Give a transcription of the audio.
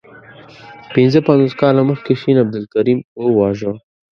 پنځه پنځوس کاله مخکي شین عبدالکریم وواژه.